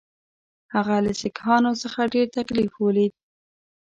هغه له سیکهانو څخه ډېر تکلیف ولید.